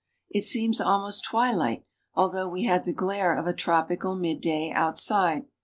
It seems almost twilight, although w ■ had the glare of a tropical midday outside.